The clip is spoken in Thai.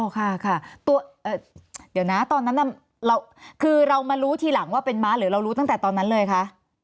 ค่ะค่ะเดี๋ยวนะตอนนั้นคือเรามารู้ทีหลังว่าเป็นม้าหรือเรารู้ตั้งแต่ตอนนั้นเลยคะ